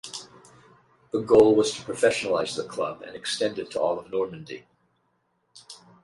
The goal was to professionalize the club and extend it to all of Normandy.